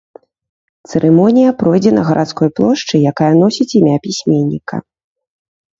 Цырымонія пройдзе на гарадской плошчы, якая носіць імя пісьменніка.